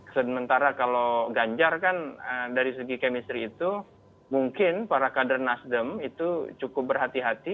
sementara kalau ganjar kan dari segi kemistri itu mungkin para kader nasdem itu cukup berhati hati